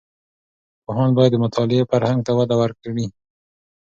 پوهاند باید د مطالعې فرهنګ ته وده ورکړي.